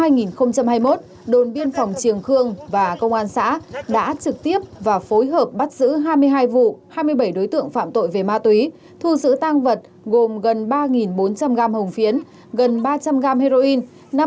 năm hai nghìn hai mươi một đồn biên phòng triềng khương và công an xã đã trực tiếp và phối hợp bắt giữ hai mươi hai vụ hai mươi bảy đối tượng phạm tội về ma túy thu giữ tăng vật gồm gần ba bốn trăm linh gram hồng phiến gần ba trăm linh g heroin